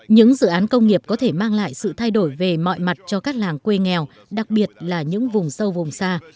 những dự án công nghiệp có thể mang lại sự thay đổi về mọi mặt cho các làng quê nghèo đặc biệt là những vùng sâu vùng xa